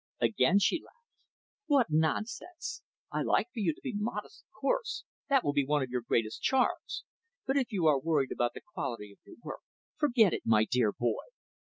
Again, she laughed. "What nonsense! I like for you to be modest, of course that will be one of your greatest charms. But if you are worried about the quality of your work forget it, my dear boy.